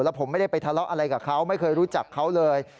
แล้วผมไม่ได้ไปทะเลาะอะไรกับเขาไม่เคยรู้จักเขาเลย